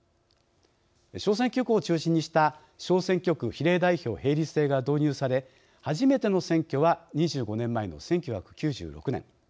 小選挙区を中心にした小選挙区比例代表並立制が導入され、初めての選挙は２５年前の１９９６年。